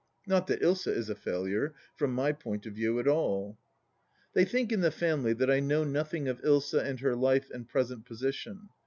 Not that Ilsa is a failure, from my point of view at all. They think in the family that I know nothing of Ilsa and her life and present position.